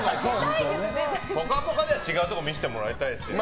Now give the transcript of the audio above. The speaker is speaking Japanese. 「ぽかぽか」では違うところを見せてもらいたいですね。